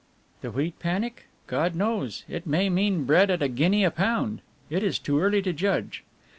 "The Wheat Panic? God knows. It may mean bread at a guinea a pound it is too early to judge."